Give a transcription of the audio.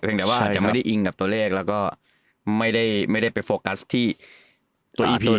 เพียงแต่ว่าจะไม่ได้อิงกับตัวเลขแล้วก็ไม่ได้ไม่ได้ไปโฟกัสที่ตัวอีพี